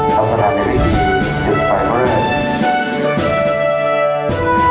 เวลาเมื่อกี้เชิญไฟพระเริก